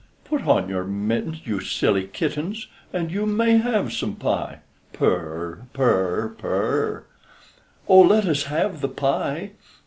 Put on your mittens, You silly kittens, And you may have some pie. Purr r, purr r, purr r, O let us have the pie.